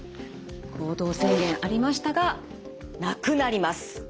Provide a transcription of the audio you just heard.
行動制限ありましたがなくなります。